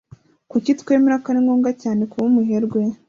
Kuki twemera ko ari ngombwa cyane kuba umuherwe?